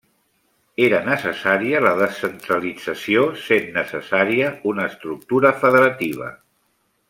Era necessària la descentralització sent necessària una estructura federativa.